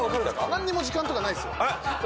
何にも時間とかないですよ。